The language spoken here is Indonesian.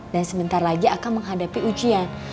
dan sebentar lagi akan menghadapi ujian